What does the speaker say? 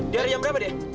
di arah jam berapa dia